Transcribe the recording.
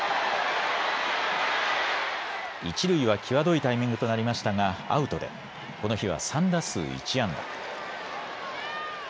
一塁は際どいタイミングとなりましたがアウトでこの日は３打数１安打。